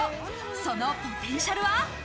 そのポテンシャルは。